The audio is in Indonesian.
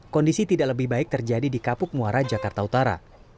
kondisi tidak lebih baik terjadi di kapuk muara jakarta utara